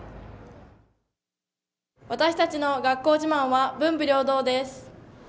私たちの学校自慢は文武両道です。